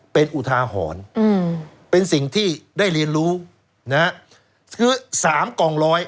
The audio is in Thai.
เป็นอุทาหรณ์เป็นสิ่งที่ได้เรียนรู้นะฮะคือสามกองร้อย